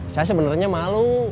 saya sebenernya malu